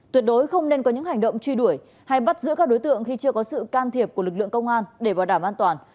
tuyệt đối không nên có những hành động truy đuổi hay bắt giữ các đối tượng khi chưa có sự can thiệp của lực lượng công an để bảo đảm an toàn